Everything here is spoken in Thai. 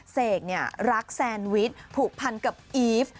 เสกรักแซนวิชผูกพันกับอีฟ